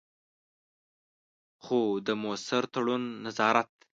خو د مؤثر تړون، نظارت.